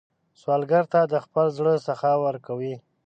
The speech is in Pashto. سوالګر ته د خپل زړه سخا ورکوئ